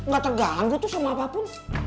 gak terganggu tuh sama apapun